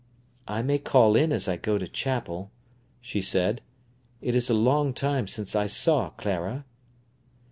"I may call in as I go to chapel," she said. "It is a long time since I saw Clara."